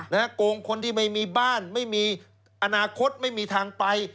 โกงคนที่ไม่มีบ้านไม่มีอนาคตไม่มีทางไป